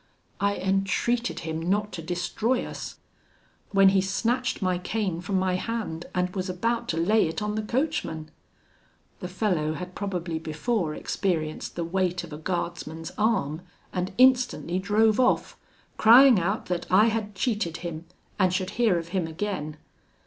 I entreated him not to destroy us; when he snatched my cane from my hand, and was about to lay it on the coachman. The fellow had probably before experienced the weight of a guardsman's arm, and instantly drove off, crying out, that I had cheated him, and should hear of him again.